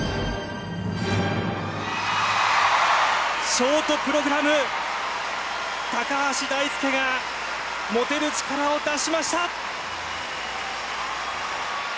ショートプログラム橋大輔が持てる力を出しました！